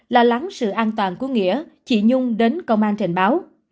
lo lắng sự an toàn của nghĩa chị nhung đến công an trình báo